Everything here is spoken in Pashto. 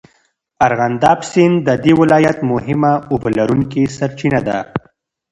ارغنداب سیند د دې ولایت مهمه اوبهلرونکې سرچینه ده.